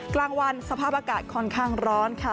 กลางวันสภาพอากาศค่อนข้างร้อนค่ะ